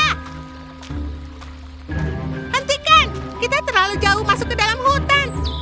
hentikan kita terlalu jauh masuk ke dalam hutan